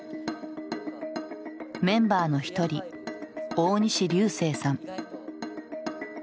メンバーの一人大西流星さん。